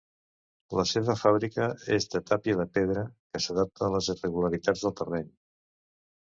La seva fàbrica és de tàpia de pedra, que s'adapta a les irregularitats del terreny.